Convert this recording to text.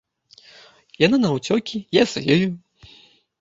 Яна наўцёкі, я за ёю.